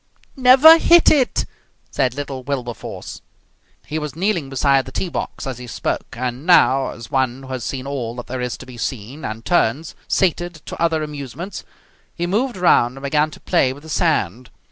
"Never hit it!" said little Wilberforce. He was kneeling beside the tee box as he spoke, and now, as one who has seen all that there is to be seen and turns, sated, to other amusements, he moved round and began to play with the sand.